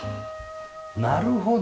なるほど。